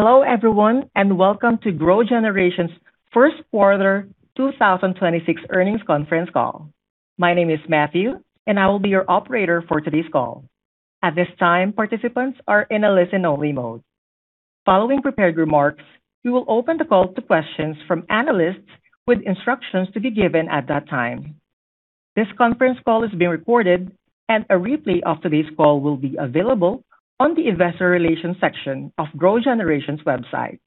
Hello everyone, welcome to GrowGeneration's first quarter 2026 earnings conference call. My name is Matthew, I will be your operator for today's call. At this time, participants are in a listen-only mode. Following prepared remarks, we will open the call to questions from analysts with instructions to be given at that time. This conference call is being recorded a replay of today's call will be available on the investor relations section of GrowGeneration's website.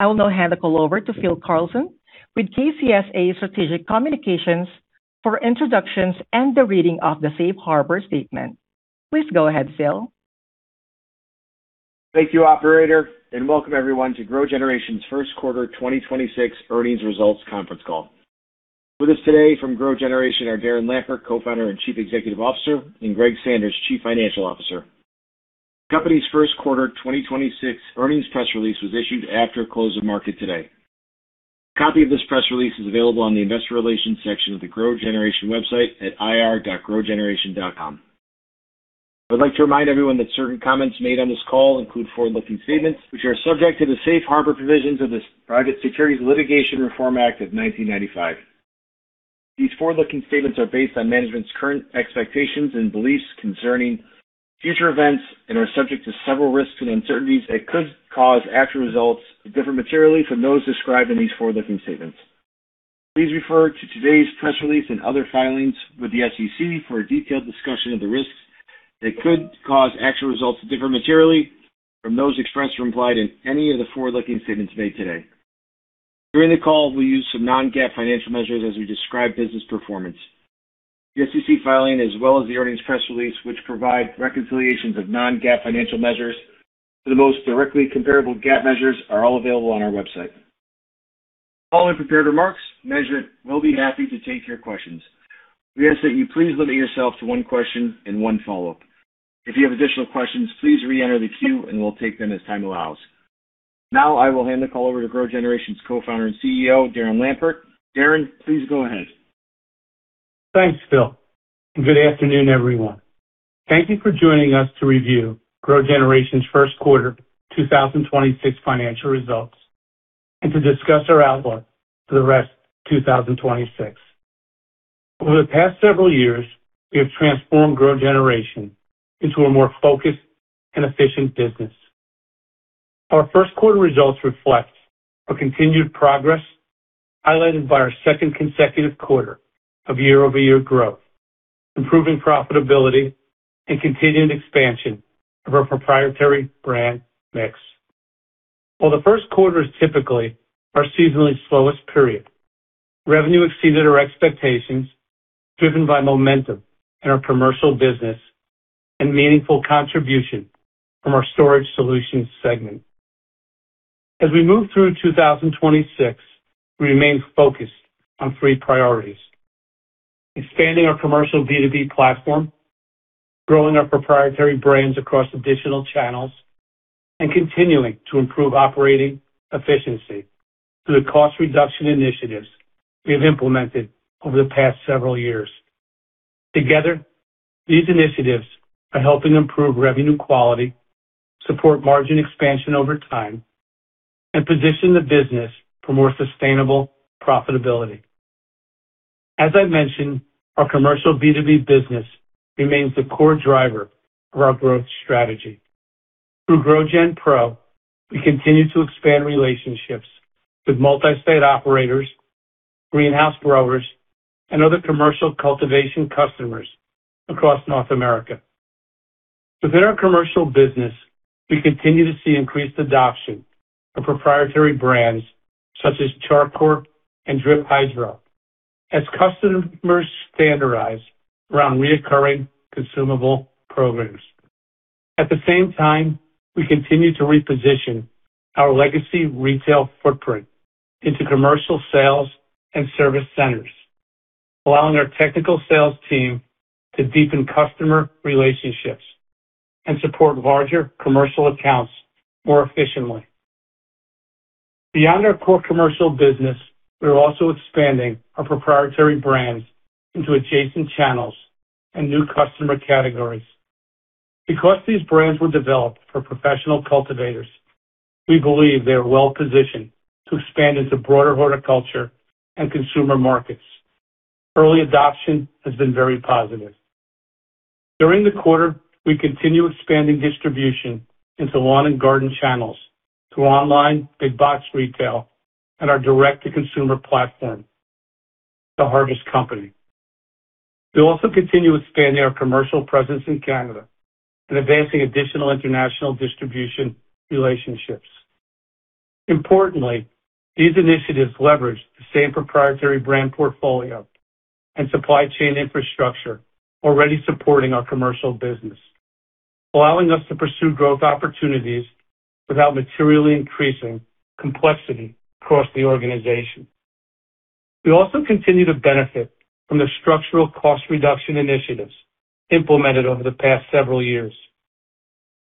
I will now hand the call over to Phil Carlson with KCSA Strategic Communications for introductions and the reading of the safe harbor statement. Please go ahead, Phil. Thank you, operator, and welcome everyone to GrowGeneration's first quarter 2026 earnings results conference call. With us today from GrowGeneration are Darren Lampert, Co-Founder and Chief Executive Officer, and Greg Sanders, Chief Financial Officer. Company's first quarter 2026 earnings press release was issued after close of market today. A copy of this press release is available on the investor relations section of the GrowGeneration website at ir.growgeneration.com. I would like to remind everyone that certain comments made on this call include forward-looking statements, which are subject to the safe harbor provisions of the Private Securities Litigation Reform Act of 1995. These forward-looking statements are based on management's current expectations and beliefs concerning future events and are subject to several risks and uncertainties that could cause actual results to differ materially from those described in these forward-looking statements. Please refer to today's press release and other filings with the SEC for a detailed discussion of the risks that could cause actual results to differ materially from those expressed or implied in any of the forward-looking statements made today. During the call, we'll use some non-GAAP financial measures as we describe business performance. The SEC filing as well as the earnings press release, which provide reconciliations of non-GAAP financial measures to the most directly comparable GAAP measures, are all available on our website. Following prepared remarks, management will be happy to take your questions. We ask that you please limit yourself to one question and one follow-up. If you have additional questions, please reenter the queue and we'll take them as time allows. Now I will hand the call over to GrowGeneration's Co-Founder and CEO, Darren Lampert. Darren, please go ahead. Thanks, Phil. Good afternoon, everyone. Thank you for joining us to review GrowGeneration's first quarter 2026 financial results and to discuss our outlook for the rest of 2026. Over the past several years, we have transformed GrowGeneration into a more focused and efficient business. Our first quarter results reflect a continued progress, highlighted by our second consecutive quarter of year-over-year growth, improving profitability and continued expansion of our proprietary brand mix. While the first quarter is typically our seasonally slowest period, revenue exceeded our expectations, driven by momentum in our commercial business and meaningful contribution from our storage solutions segment. As we move through 2026, we remain focused on three priorities: expanding our commercial B2B platform, growing our proprietary brands across additional channels, and continuing to improve operating efficiency through the cost reduction initiatives we have implemented over the past several years. Together, these initiatives are helping improve revenue quality, support margin expansion over time, and position the business for more sustainable profitability. As I mentioned, our commercial B2B business remains the core driver of our growth strategy. Through GrowGen Pro, we continue to expand relationships with multi-state operators, greenhouse growers, and other commercial cultivation customers across North America. Within our commercial business, we continue to see increased adoption of proprietary brands such as Char Coir and Drip Hydro as customers standardize around reoccurring consumable programs. At the same time, we continue to reposition our legacy retail footprint into commercial sales and service centers, allowing our technical sales team to deepen customer relationships and support larger commercial accounts more efficiently. Beyond our core commercial business, we are also expanding our proprietary brands into adjacent channels and new customer categories. Because these brands were developed for professional cultivators, we believe they are well-positioned to expand into broader horticulture and consumer markets. Early adoption has been very positive. During the quarter, we continue expanding distribution into lawn and garden channels through online, big box retail, and our direct-to-consumer platform, The Harvest Company. We also continue expanding our commercial presence in Canada and advancing additional international distribution relationships. Importantly, these initiatives leverage the same proprietary brand portfolio and supply chain infrastructure already supporting our commercial business, allowing us to pursue growth opportunities without materially increasing complexity across the organization. We also continue to benefit from the structural cost reduction initiatives implemented over the past several years.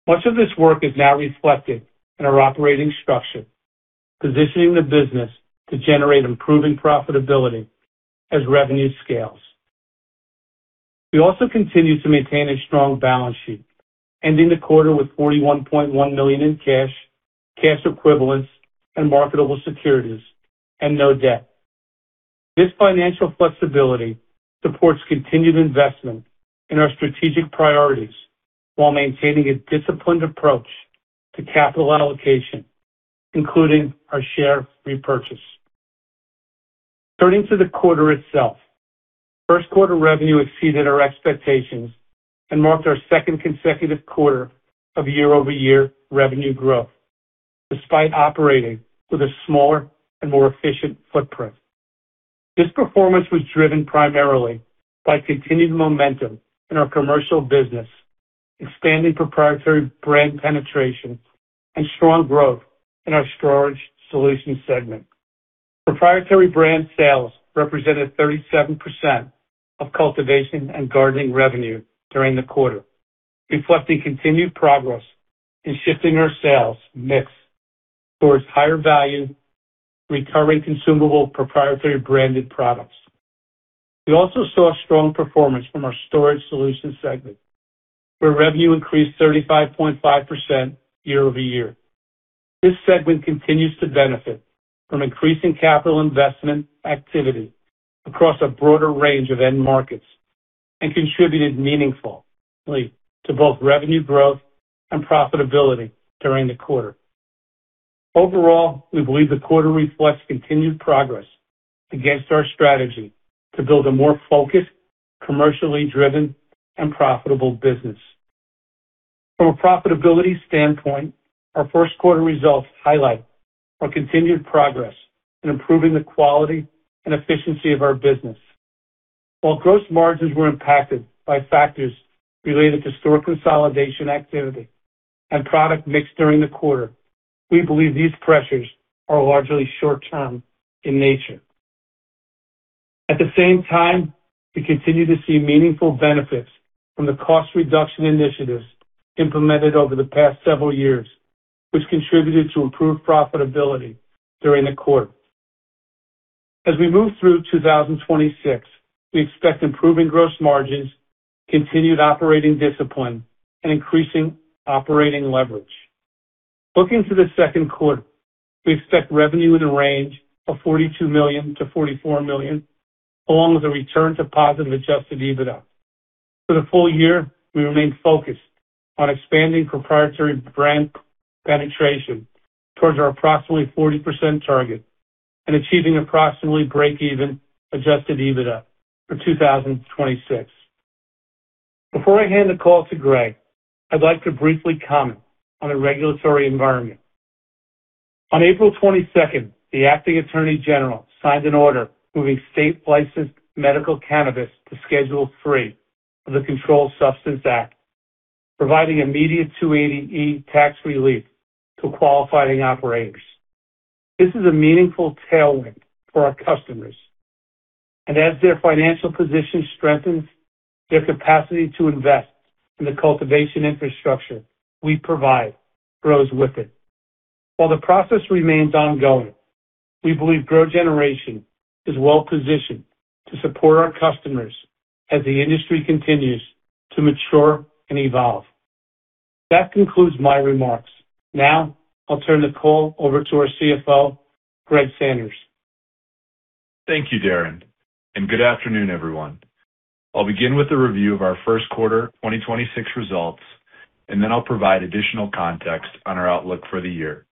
Much of this work is now reflected in our operating structure, positioning the business to generate improving profitability as revenue scales. We also continue to maintain a strong balance sheet, ending the quarter with $41.1 million in cash equivalents, and marketable securities, and no debt. This financial flexibility supports continued investment in our strategic priorities while maintaining a disciplined approach to capital allocation, including our share repurchase. Turning to the quarter itself, first quarter revenue exceeded our expectations and marked our second consecutive quarter of year-over-year revenue growth despite operating with a smaller and more efficient footprint. This performance was driven primarily by continued momentum in our commercial business, expanding proprietary brand penetration and strong growth in our Storage Solution Segment. Proprietary brand sales represented 37% of cultivation and gardening revenue during the quarter, reflecting continued progress in shifting our sales mix towards higher value, recurring consumable proprietary branded products. We also saw strong performance from our storage solutions segment, where revenue increased 35.5% year-over-year. This segment continues to benefit from increasing capital investment activity across a broader range of end markets and contributed meaningfully to both revenue growth and profitability during the quarter. Overall, we believe the quarter reflects continued progress against our strategy to build a more focused, commercially driven, and profitable business. From a profitability standpoint, our first quarter results highlight our continued progress in improving the quality and efficiency of our business. While gross margins were impacted by factors related to store consolidation activity and product mix during the quarter, we believe these pressures are largely short term in nature. At the same time, we continue to see meaningful benefits from the cost reduction initiatives implemented over the past several years, which contributed to improved profitability during the quarter. As we move through 2026, we expect improving gross margins, continued operating discipline, and increasing operating leverage. Looking to the second quarter, we expect revenue in the range of $42 million-$44 million, along with a return to positive adjusted EBITDA. For the full year, we remain focused on expanding proprietary brand penetration towards our approximately 40% target and achieving approximately break-even adjusted EBITDA for 2026. Before I hand the call to Greg, I'd like to briefly comment on the regulatory environment. On April 22nd, the acting attorney general signed an order moving state-licensed medical cannabis to Schedule III of the Controlled Substances Act, providing immediate 280E tax relief to qualifying operators. This is a meaningful tailwind for our customers, and as their financial position strengthens, their capacity to invest in the cultivation infrastructure we provide grows with it. While the process remains ongoing, we believe GrowGeneration is well-positioned to support our customers as the industry continues to mature and evolve. That concludes my remarks. Now I'll turn the call over to our CFO, Greg Sanders. Thank you, Darren, and good afternoon, everyone. I'll begin with a review of our first quarter 2026 results, and then I'll provide additional context on our outlook for the year.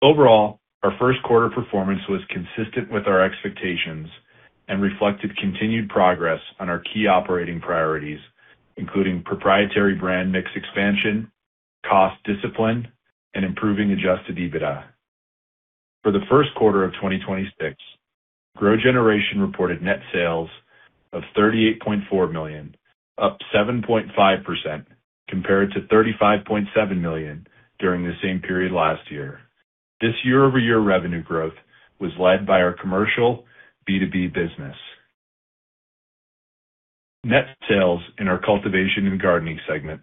Overall, our first quarter performance was consistent with our expectations and reflected continued progress on our key operating priorities, including proprietary brand mix expansion, cost discipline, and improving adjusted EBITDA. For the first quarter of 2026, GrowGeneration reported net sales of $38.4 million, up 7.5% compared to $35.7 million during the same period last year. This year-over-year revenue growth was led by our commercial B2B business. Net sales in our cultivation and gardening segment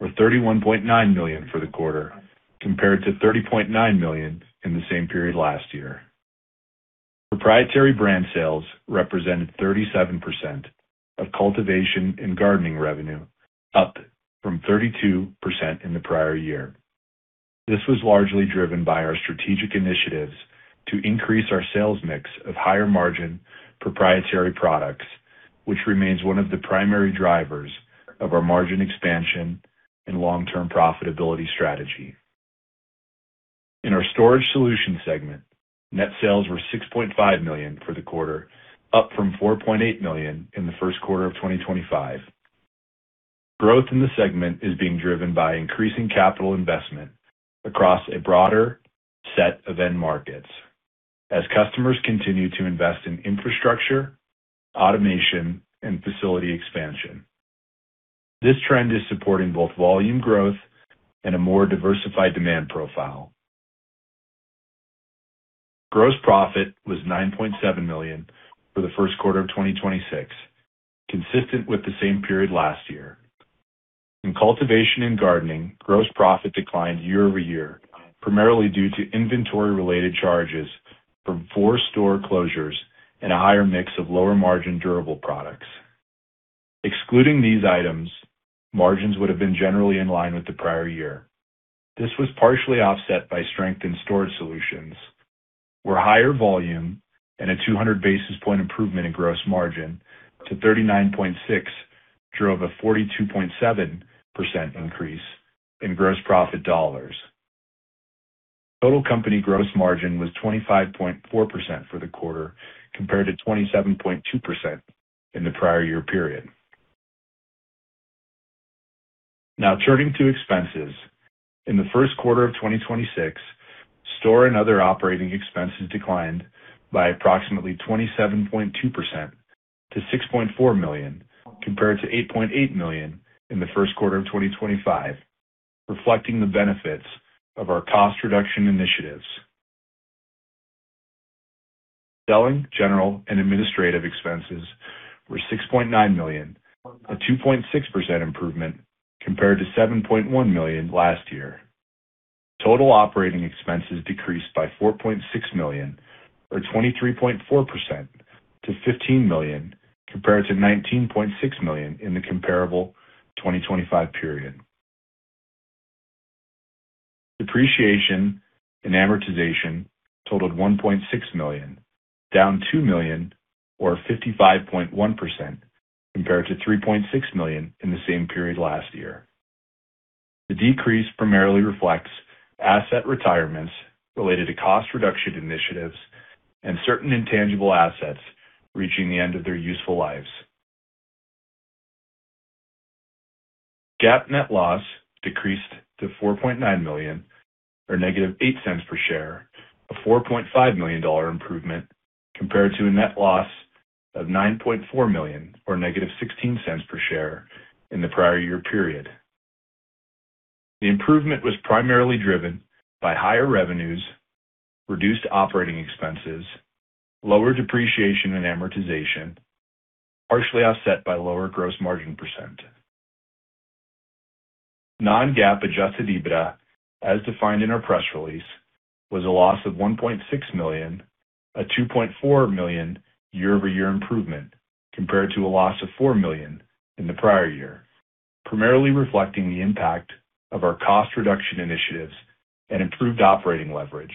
were $31.9 million for the quarter, compared to $30.9 million in the same period last year. Proprietary brand sales represented 37% of cultivation and gardening revenue, up from 32% in the prior year. This was largely driven by our strategic initiatives to increase our sales mix of higher-margin proprietary products, which remains one of the primary drivers of our margin expansion and long-term profitability strategy. In our storage solution segment, net sales were $6.5 million for the quarter, up from $4.8 million in the first quarter of 2025. Growth in the segment is being driven by increasing capital investment across a broader set of end markets as customers continue to invest in infrastructure, automation, and facility expansion. This trend is supporting both volume growth and a more diversified demand profile. Gross profit was $9.7 million for the first quarter of 2026, consistent with the same period last year. In cultivation and gardening, gross profit declined year-over-year, primarily due to inventory-related charges from four store closures and a higher mix of lower margin durable products. Excluding these items, margins would have been generally in line with the prior year. This was partially offset by strength in storage solutions, where higher volume and a 200 basis point improvement in gross margin to 39.6 drove a 42.7% increase in gross profit dollars. Total company gross margin was 25.4% for the quarter compared to 27.2% in the prior year period. Now turning to expenses. In the first quarter of 2026, store and other operating expenses declined by approximately 27.2% to $6.4 million, compared to $8.8 million in the first quarter of 2025, reflecting the benefits of our cost reduction initiatives. Selling, general and administrative expenses were $6.9 million, a 2.6% improvement compared to $7.1 million last year. Total operating expenses decreased by $4.6 million, or 23.4% to $15 million, compared to $19.6 million in the comparable 2025 period. Depreciation and amortization totaled $1.6 million, down $2 million or 55.1% compared to $3.6 million in the same period last year. The decrease primarily reflects asset retirements related to cost reduction initiatives and certain intangible assets reaching the end of their useful lives. GAAP net loss decreased to $4.9 million or -$0.08 per share, a $4.5 million improvement compared to a net loss of $9.4 million or -$0.16 per share in the prior year period. The improvement was primarily driven by higher revenues, reduced operating expenses, lower depreciation and amortization, partially offset by lower gross margin percent. Non-GAAP adjusted EBITDA, as defined in our press release, was a loss of $1.6 million, a $2.4 million year-over-year improvement compared to a loss of $4 million in the prior year, primarily reflecting the impact of our cost reduction initiatives and improved operating leverage.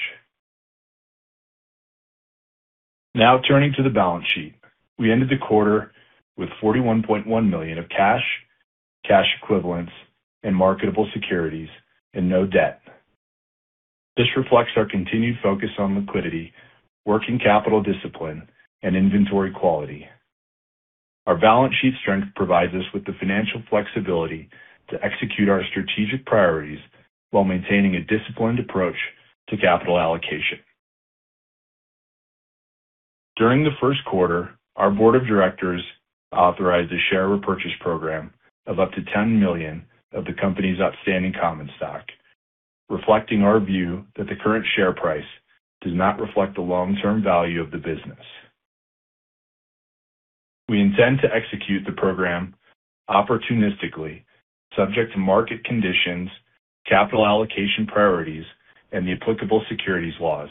Turning to the balance sheet. We ended the quarter with $41.1 million of cash, cash equivalents, and marketable securities and no debt. This reflects our continued focus on liquidity, working capital discipline and inventory quality. Our balance sheet strength provides us with the financial flexibility to execute our strategic priorities while maintaining a disciplined approach to capital allocation. During the first quarter, our board of directors authorized a share repurchase program of up to $10 million of the company's outstanding common stock, reflecting our view that the current share price does not reflect the long-term value of the business. We intend to execute the program opportunistically, subject to market conditions, capital allocation priorities, and the applicable securities laws.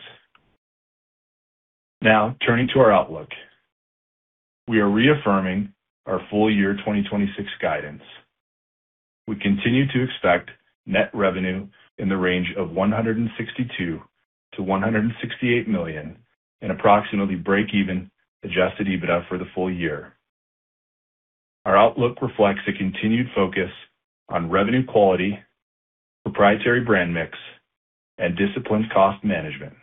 Now turning to our outlook. We are reaffirming our full year 2026 guidance. We continue to expect net revenue in the range of $162 million-$168 million and approximately break-even adjusted EBITDA for the full year. Our outlook reflects a continued focus on revenue quality, proprietary brand mix and disciplined cost management.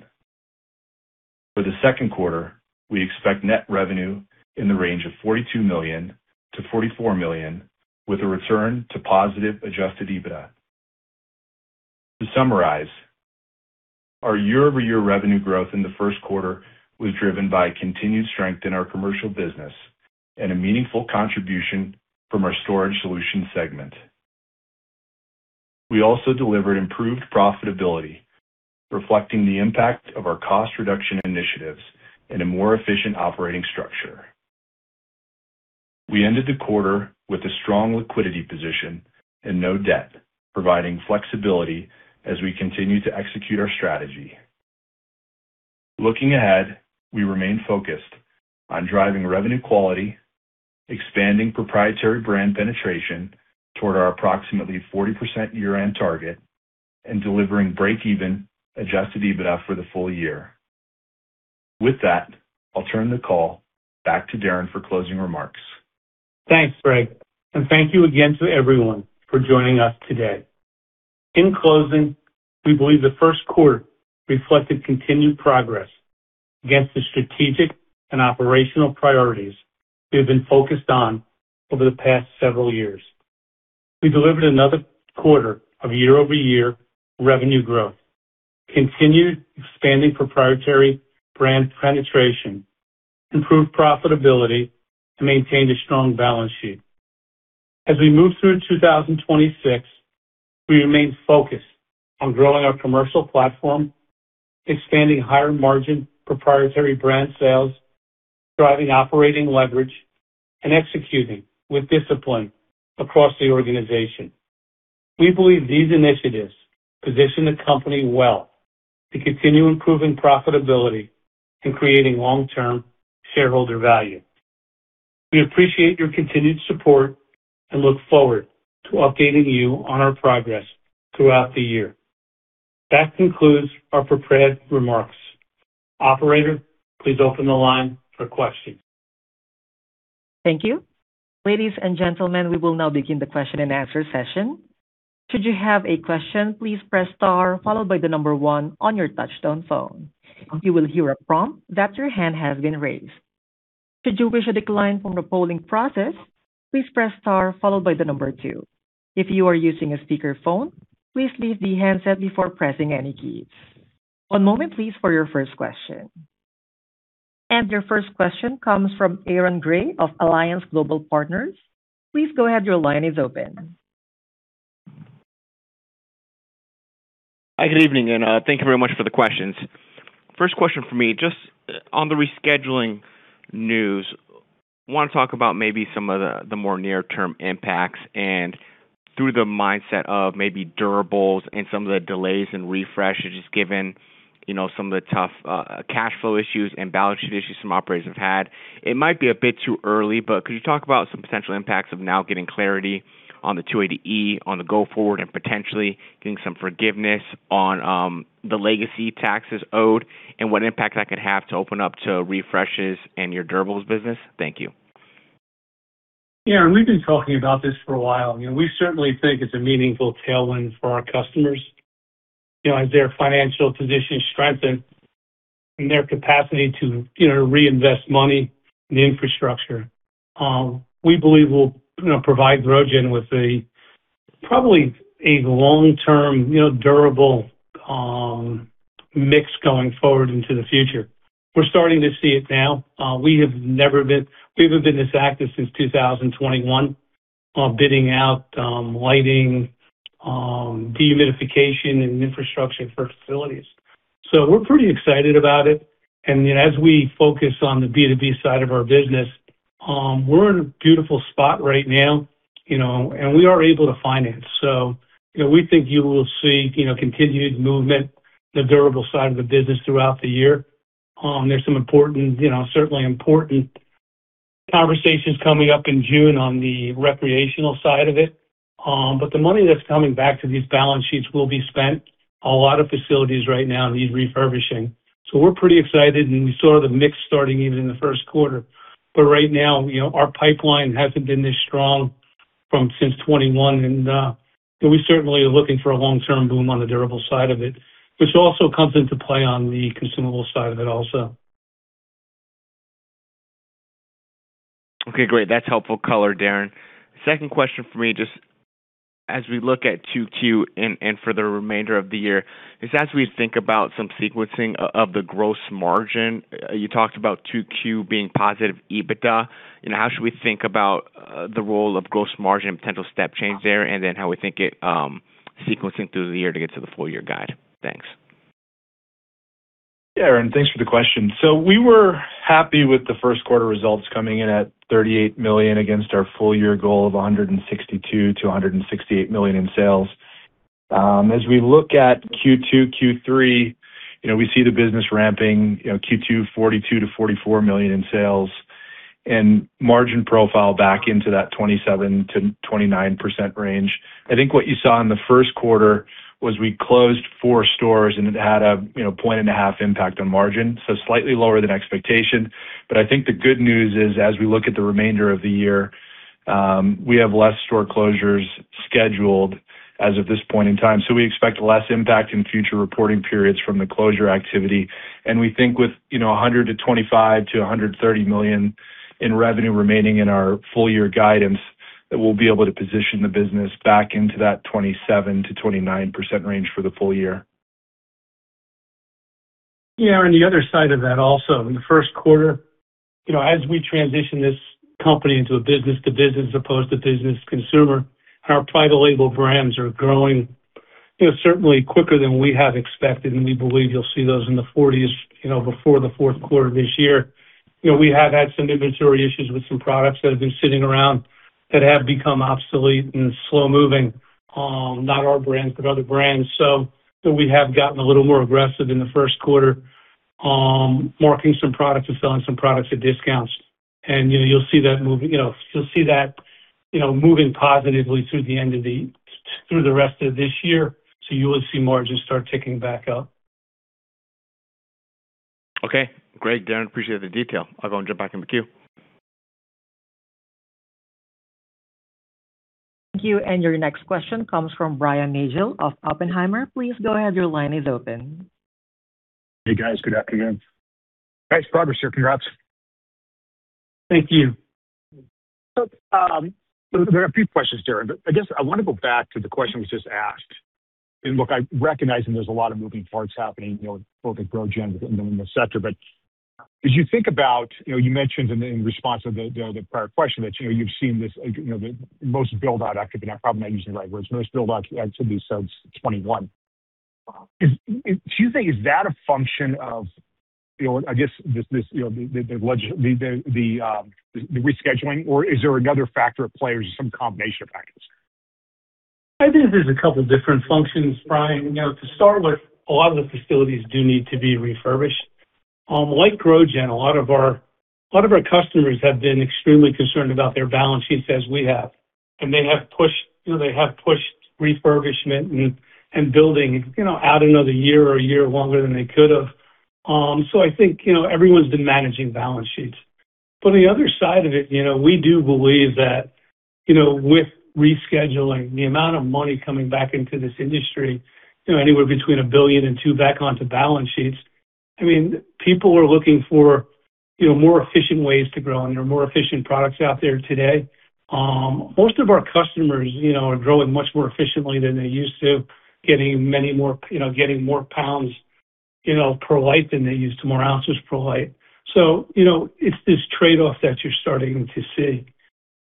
For the second quarter, we expect net revenue in the range of $42 million-$44 million with a return to positive adjusted EBITDA. To summarize, our year-over-year revenue growth in the first quarter was driven by continued strength in our commercial business and a meaningful contribution from our storage solution segment. We also delivered improved profitability, reflecting the impact of our cost reduction initiatives and a more efficient operating structure. We ended the quarter with a strong liquidity position and no debt, providing flexibility as we continue to execute our strategy. Looking ahead, we remain focused on driving revenue quality, expanding proprietary brand penetration toward our approximately 40% year-end target, and delivering break-even adjusted EBITDA for the full year. With that, I'll turn the call back to Darren for closing remarks. Thanks, Greg, and thank you again to everyone for joining us today. In closing, we believe the first quarter reflected continued progress against the strategic and operational priorities we have been focused on over the past several years. We delivered another quarter of year-over-year revenue growth, continued expanding proprietary brand penetration, improved profitability, and maintained a strong balance sheet. As we move through 2026, we remain focused on growing our commercial platform, expanding higher margin proprietary brand sales. Driving operating leverage and executing with discipline across the organization. We believe these initiatives position the company well to continue improving profitability and creating long-term shareholder value. We appreciate your continued support and look forward to updating you on our progress throughout the year. That concludes our prepared remarks. Operator, please open the line for questions. Your first question comes from Aaron Grey of Alliance Global Partners. Please go ahead, your line is open. Hi. Good evening, thank you very much for the questions. First question from me, just on the rescheduling news. Wanna talk about maybe some of the more near-term impacts and through the mindset of maybe durables and some of the delays and refreshes given, you know, some of the tough cash flow issues and balance sheet issues some operators have had. It might be a bit too early, could you talk about some potential impacts of now getting clarity on the 280E on the go forward, and potentially getting some forgiveness on the legacy taxes owed and what impact that could have to open up to refreshes and your durables business? Thank you. Yeah. We've been talking about this for a while. You know, we certainly think it's a meaningful tailwind for our customers. You know, as their financial position strengthen and their capacity to, you know, reinvest money in the infrastructure, we believe will, you know, provide GrowGen with a probably a long-term, you know, durable mix going forward into the future. We're starting to see it now. We haven't been this active since 2021 on bidding out lighting, dehumidification and infrastructure for facilities. We're pretty excited about it. You know, as we focus on the B2B side of our business, we're in a beautiful spot right now, you know, and we are able to finance. You know, we think you will see, you know, continued movement, the durable side of the business throughout the year. There's some important, you know, certainly important conversations coming up in June on the recreational side of it. The money that's coming back to these balance sheets will be spent. A lot of facilities right now need refurbishing. We're pretty excited, and we saw the mix starting even in the first quarter. Right now, you know, our pipeline hasn't been this strong from since 2021, and we certainly are looking for a long-term boom on the durable side of it, which also comes into play on the consumable side of it also. Okay, great. That's helpful color, Darren. Second question from me, just as we look at 2Q and for the remainder of the year is as we think about some sequencing of the gross margin, you talked about 2Q being positive EBITDA. You know, how should we think about the role of gross margin and potential step change there, and then how we think it sequencing through the year to get to the full year guide? Thanks. Yeah, Aaron, thanks for the question. We were happy with the first quarter results coming in at $38 million against our full year goal of $162 million-$168 million in sales. As we look at Q2, Q3, you know, we see the business ramping, you know, Q2, $42 million-$44 million in sales and margin profile back into that 27%-29% range. I think what you saw in the first quarter was we closed four stores, and it had a, you know, point and a half impact on margin, slightly lower than expectation. I think the good news is, as we look at the remainder of the year, we have less store closures scheduled as of this point in time. We expect less impact in future reporting periods from the closure activity. We think with, you know, $125 million-$130 million in revenue remaining in our full year guidance, that we'll be able to position the business back into that 27%-29% range for the full year. Yeah. On the other side of that also, in the first quarter, you know, as we transition this company into a business to business opposed to business consumer, our private label brands are growing, you know, certainly quicker than we had expected, and we believe you'll see those in the 40s, you know, before the fourth quarter of this year. You know, we have had some inventory issues with some products that have been sitting around that have become obsolete and slow-moving. Not our brands, but other brands. We have gotten a little more aggressive in the first quarter, marking some products and selling some products at discounts. You know, you'll see that moving. You know, you'll see that, you know, moving positively through the rest of this year. You will see margins start ticking back up. Okay, great, Darren. Appreciate the detail. I'll go and jump back in the queue. Thank you. Your next question comes from Brian Nagel of Oppenheimer. Please go ahead, your line is open. Hey, guys. Good afternoon. Nice progress here. Congrats. Thank you. There are a few questions, Darren, but I guess I wanna go back to the question that was just asked. Look, I recognize that there's a lot of moving parts happening, you know, both at GrowGen and then in the sector. As you think about, you know, you mentioned in response to the prior question that, you know, you've seen this, you know, the most build out activity, and I probably not using the right words, most build out activity since 2021, do you think is that a function of, you know, I guess this, you know, the rescheduling, or is there another factor at play, or is it some combination of factors? I think there's a couple different functions, Brian. You know, to start with, a lot of the facilities do need to be refurbished. Like GrowGen, a lot of our customers have been extremely concerned about their balance sheets as we have. They have pushed, you know, they have pushed refurbishment and building, you know, out another year or a year longer than they could have. I think, you know, everyone's been managing balance sheets. On the other side of it, you know, we do believe that, you know, with rescheduling, the amount of money coming back into this industry, you know, anywhere between $1 billion and $2 billion back onto balance sheets. I mean, people are looking for, you know, more efficient ways to grow and there are more efficient products out there today. Most of our customers, you know, are growing much more efficiently than they used to. Getting many more, you know, getting more pounds, you know, per light than they used to, more ounces per light. You know, it's this trade-off that you're starting to see.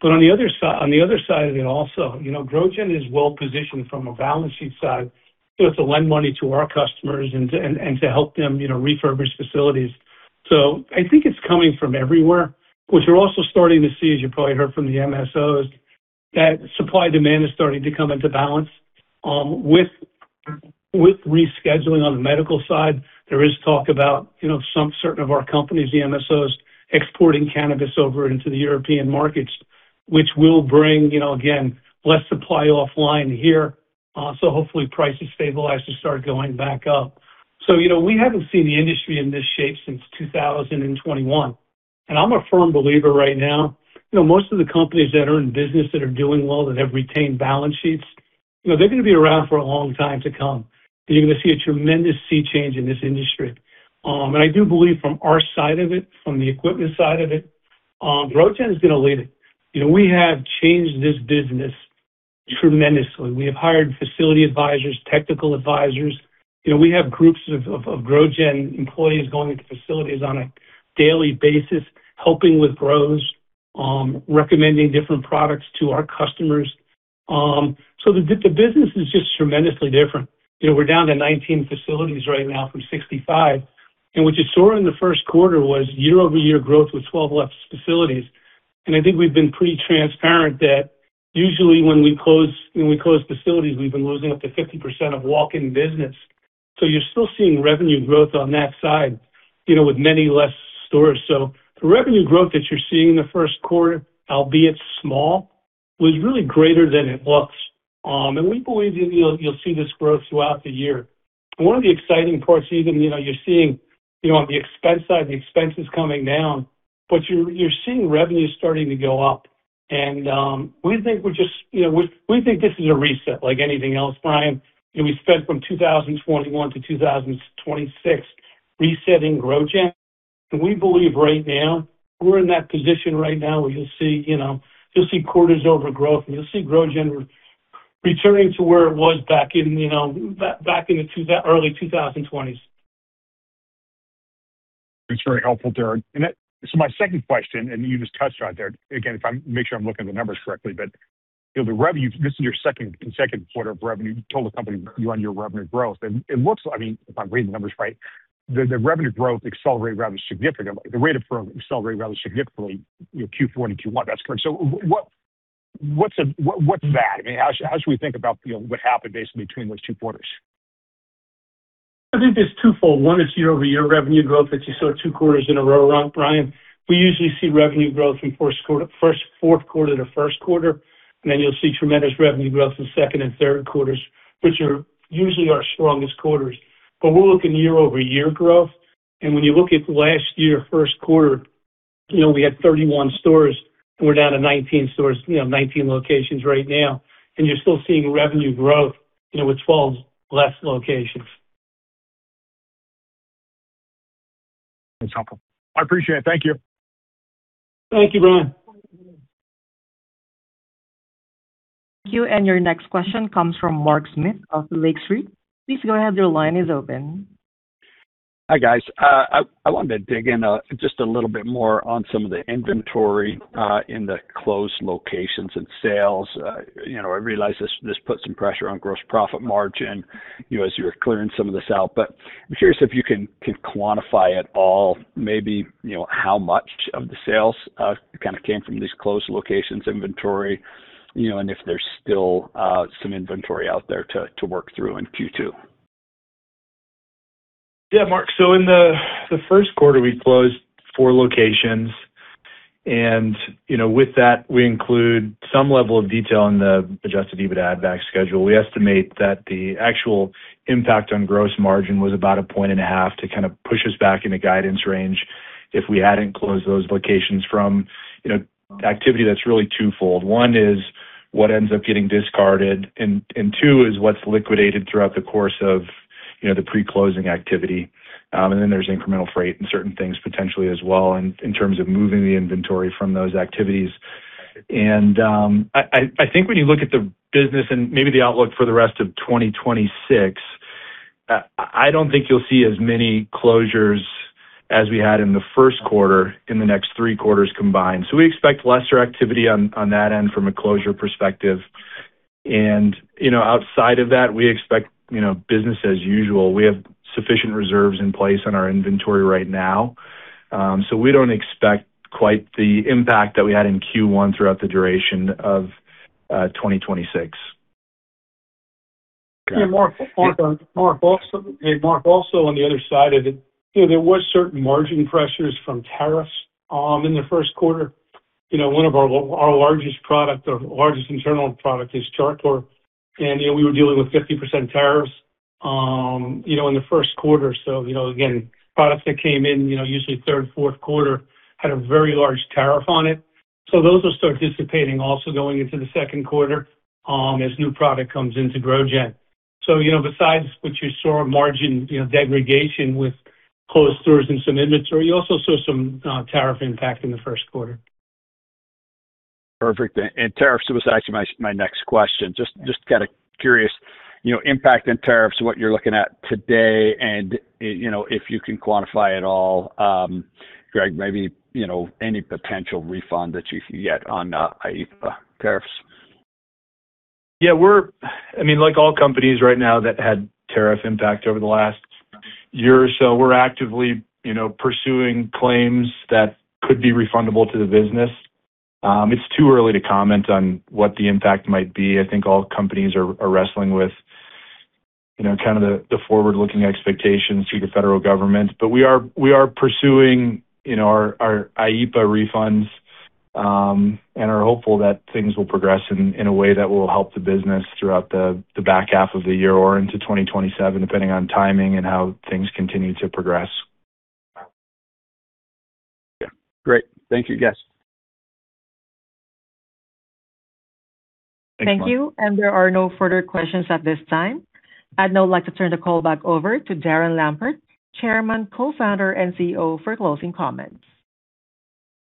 On the other side of it also, you know, GrowGen is well positioned from a balance sheet side, you know, to lend money to our customers and to help them, you know, refurbish facilities. I think it's coming from everywhere. What you're also starting to see, as you probably heard from the MSOs, that supply-demand is starting to come into balance, with rescheduling on the medical side. There is talk about, you know, some certain of our companies, the MSOs, exporting cannabis over into the European markets, which will bring, you know, again, less supply offline here. Hopefully prices stabilize and start going back up. You know, we haven't seen the industry in this shape since 2021. I'm a firm believer right now, you know, most of the companies that are in business that are doing well, that have retained balance sheets, you know, they're gonna be around for a long time to come. You're gonna see a tremendous sea change in this industry. I do believe from our side of it, from the equipment side of it, GrowGen is gonna lead it. You know, we have changed this business tremendously. We have hired facility advisors, technical advisors. You know, we have groups of GrowGen employees going into facilities on a daily basis, helping with grows, recommending different products to our customers. The business is just tremendously different. You know, we're down to 19 facilities right now from 65. What you saw in the first quarter was year-over-year growth with 12 less facilities. I think we've been pretty transparent that usually when we close facilities, we've been losing up to 50% of walk-in business. You're still seeing revenue growth on that side, you know, with many less stores. The revenue growth that you're seeing in the first quarter, albeit small, was really greater than it looks. And we believe you'll see this growth throughout the year. One of the exciting parts even, you know, you're seeing, you know, on the expense side, the expenses coming down, but you're seeing revenue starting to go up. We think we're just, you know, we think this is a reset like anything else, Brian. You know, we spent from 2021 to 2026 resetting GrowGen. We believe right now, we're in that position right now where you'll see, you know, you'll see quarters overgrowth, and you'll see GrowGen returning to where it was back in, you know, early 2020s. It's very helpful, Darren. My second question, you just touched on it there. Again, if I make sure I'm looking at the numbers correctly, you know, the revenue, this is your second consecutive quarter of revenue. You told the company you're on your revenue growth. It looks, I mean, if I'm reading the numbers right, the revenue growth accelerated rather significantly. The rate of growth accelerated rather significantly, you know, Q4 into Q1. That's correct. What's that? I mean, how should we think about, you know, what happened basically between those two quarters? I think it's twofold. One is year-over-year revenue growth that you saw two quarters in a row, Brian. We usually see revenue growth in first quarter, first fourth quarter to first quarter, and then you'll see tremendous revenue growth in second and third quarters, which are usually our strongest quarters. We're looking year-over-year growth, and when you look at last year, first quarter, you know, we had 31 stores, and we're down to 19 stores, you know, 19 locations right now. You're still seeing revenue growth, you know, with 12 less locations. That's helpful. I appreciate it. Thank you. Thank you, Brian. Thank you. Your next question comes from Mark Smith of Lake Street. Please go ahead. Your line is open. Hi, guys. I wanted to dig in just a little bit more on some of the inventory in the closed locations and sales. You know, I realize this puts some pressure on gross profit margin, you know, as you're clearing some of this out. I'm curious if you can quantify at all, maybe, you know, how much of the sales kind of came from these closed locations inventory, you know, and if there's still some inventory out there to work through in Q2. Mark, in the first quarter, we closed four locations and, you know, with that, we include some level of detail in the adjusted EBITDA add-back schedule. We estimate that the actual impact on gross margin was about 1.5 percentage points to kind of push us back into guidance range if we hadn't closed those locations from, you know, activity that's really two-fold. One is what ends up getting discarded, and two is what's liquidated throughout the course of, you know, the pre-closing activity. And then there's incremental freight and certain things potentially as well in terms of moving the inventory from those activities. I think when you look at the business and maybe the outlook for the rest of 2026, I don't think you'll see as many closures as we had in the first quarter in the next three quarters combined. We expect lesser activity on that end from a closure perspective. Outside of that, we expect, you know, business as usual. We have sufficient reserves in place in our inventory right now. We don't expect quite the impact that we had in Q1 throughout the duration of 2026. Yeah, Mark. Mark, also on the other side of it, you know, there was certain margin pressures from tariffs in the first quarter. You know, one of our largest internal product is Char Coir, and, you know, we were dealing with 50% tariffs, you know, in the first quarter. You know, again, products that came in, you know, usually third, fourth quarter had a very large tariff on it. Those will start dissipating also going into the second quarter as new product comes into GrowGen. You know, besides what you saw a margin, you know, degradation with closed stores and some inventory, you also saw some tariff impact in the first quarter. Perfect. Tariffs was actually my next question. Just kind of curious, you know, impact in tariffs, what you're looking at today and, you know, if you can quantify at all, Greg, maybe, you know, any potential refund that you can get on IEEPA tariffs. Yeah. I mean, like all companies right now that had tariff impact over the last year or so, we're actively, you know, pursuing claims that could be refundable to the business. It's too early to comment on what the impact might be. I think all companies are wrestling with, you know, kind of the forward-looking expectations through the federal government. We are, we are pursuing, you know, our IEEPA refunds, and are hopeful that things will progress in a way that will help the business throughout the back half of the year or into 2027, depending on timing and how things continue to progress. Yeah. Great. Thank you. Yes. Thank you. There are no further questions at this time. I'd now like to turn the call back over to Darren Lampert, Chairman, Co-Founder, and CEO, for closing comments.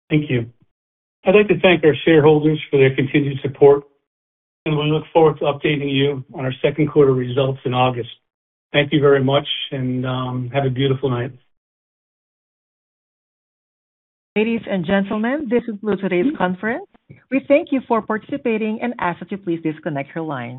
Thank you. I'd like to thank our shareholders for their continued support, and we look forward to updating you on our second quarter results in August. Thank you very much, and have a beautiful night. Ladies and gentlemen, this will conclude today's conference. We thank you for participating and ask that you please disconnect your line.